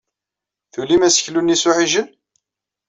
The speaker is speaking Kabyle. Tulim aseklu-nni s uɛijel.